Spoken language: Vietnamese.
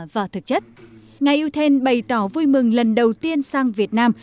và thực chất ngài yêu thên bày tỏ vui mừng lần đầu tiên sang việt nam